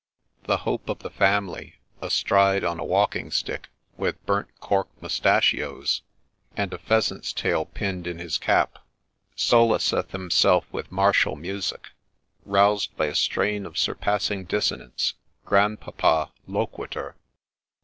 — The ' Hope of the family ' astride on a walking stick, with burnt cork mustachios, and a pheasant's tail pinned in his cap, solaceth himself with martial music. — Roused by a strain of surpassing dissonance, Grandpapa loquitur.